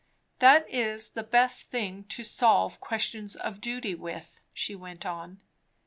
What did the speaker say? "That is the best thing to solve questions of duty with," she went on.